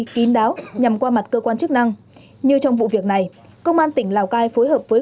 kín đáo nhằm qua mặt cơ quan chức năng như trong vụ việc này công an tỉnh lào cai phối hợp với